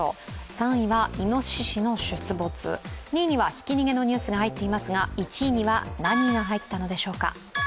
３位はいのししの出没、２位にはひき逃げのニュースが入っていますが１位には何が入ったのでしょうか。